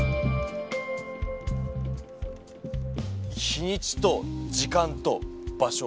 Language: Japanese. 日にちと時間と場所。